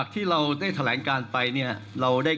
คุณหมอชนหน้าเนี่ยคุณหมอชนหน้าเนี่ยคุณหมอชนหน้าเนี่ย